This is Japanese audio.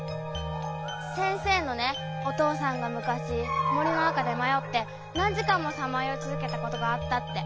先生のお父さんが昔森の中で迷って何時間もさまよい続けたことがあったって。